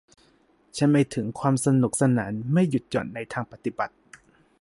ฉันหมายถึงความสนุกสนานไม่หยุดหย่อนในทางปฏิบัติ